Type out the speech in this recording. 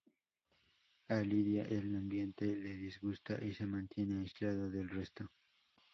A Lidia el ambiente le disgusta y se mantiene aislada del resto.